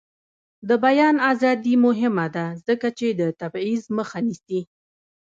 د بیان ازادي مهمه ده ځکه چې د تبعیض مخه نیسي.